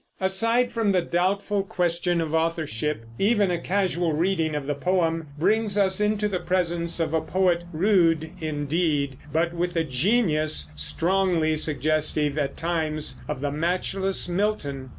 Aside from the doubtful question of authorship, even a casual reading of the poem brings us into the presence of a poet rude indeed, but with a genius strongly suggestive at times of the matchless Milton.